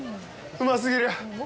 うますぎる！